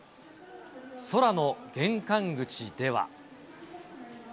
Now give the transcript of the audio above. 空の玄関口では。